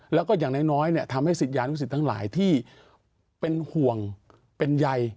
แล้วก็อย่างน้อยเนี่ยทำให้สิทธิ์ยานลูกสิทธิ์ทั้งหลายที่เป็นห่วงเป็นใย